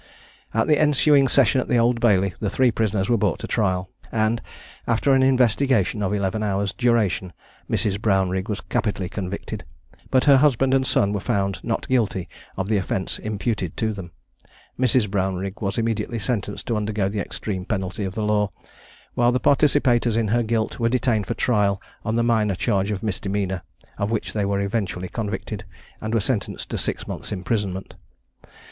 At the ensuing session at the Old Bailey the three prisoners were brought to trial; and, after an investigation of eleven hours' duration, Mrs. Brownrigg was capitally convicted; but her husband and son were found not guilty of the offence imputed to them. Mrs. Brownrigg was immediately sentenced to undergo the extreme penalty of the law, while the participators in her guilt were detained for trial on the minor charge of misdemeanor, of which they were eventually convicted, and were sentenced to six months' imprisonment.